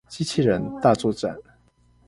機器人大作戰